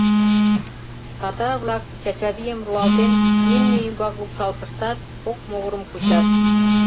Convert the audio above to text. Татар-влак Чачавийым, руалтен, имне ӱмбак лупшан пыштат, кок могырым кучат.